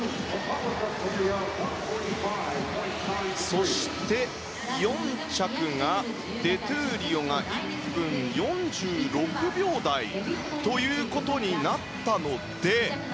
そして、４着デ・トゥーリオが１分４６秒台ということになったので。